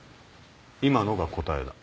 今のが答えだ。